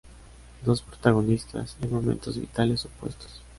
Dos protagonistas en momentos vitales opuestos.